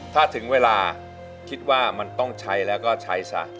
ถ้าถึงเวลาคิดว่ามันต้องใช้แล้วก็ใช้ซะ